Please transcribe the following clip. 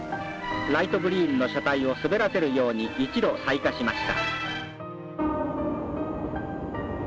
ライトグリーンの車体を滑らせるように一路、西下しました。